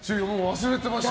忘れてました。